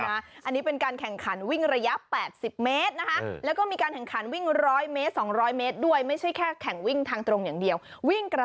อันนี้เป็นการแข่งขันวิ่งระยะ๘๐เมตรนะฮะ